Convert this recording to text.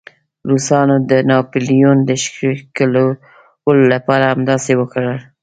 روسانو د ناپلیون د ښکېلولو لپاره همداسې وکړل.